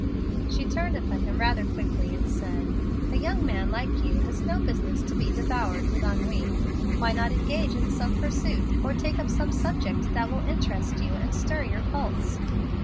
She turned upon him rather quickly and said, "A young man like you has no business to be 'devoured with ennui.' Why not engage in some pursuit, or take up some subject that will interest you and stir your pulse?"